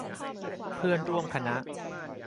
เพื่อนร่วมคณะ